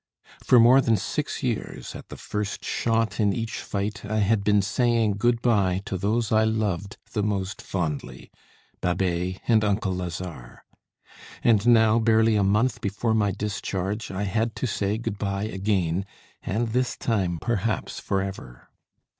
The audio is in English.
For more than six years, at the first shot in each fight, I had been saying good bye to those I loved the most fondly, Babet and uncle Lazare. And now, barely a month before my discharge, I had to say good bye again, and this time perhaps for ever.